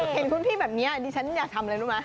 เห็นคุณพี่แบบนี้ดิฉันอยากทำอะไรรู้ไหม